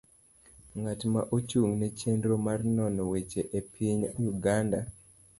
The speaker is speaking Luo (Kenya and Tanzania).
Ng'ano ma ochung' ne chenro mar nono weche e piny Uganda